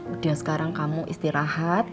udah sekarang kamu istirahat